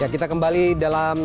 ya kita kembali dalam